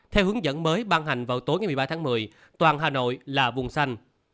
theo hướng dẫn mới ban hành vào tối ngày một mươi ba tháng một mươi toàn hà nội là vùng xanh